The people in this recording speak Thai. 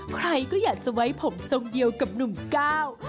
ใครก็อยากจะไว้ผมทรงเดียวกับหนุ่มก้าว